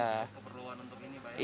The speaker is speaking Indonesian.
keperluan untuk ini pak